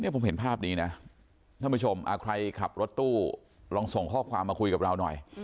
ผมเห็นภาพนี้นะท่านผู้ชมใครขับรถตู้ลองส่งข้อความมาคุยกับเราหน่อย